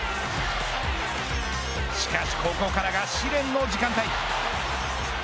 しかしここからが試練の時間帯。